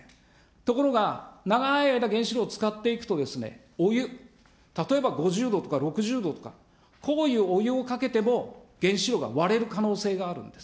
ところが、長い間、原子炉を使っていくと、お湯、例えば５０度とか６０度とか、こういうお湯をかけても、原子炉が割れる可能性があるんです。